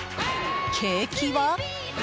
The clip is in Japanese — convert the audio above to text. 景気は？